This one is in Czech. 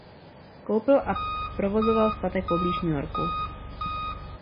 Koupil a provozoval statek poblíž New Yorku.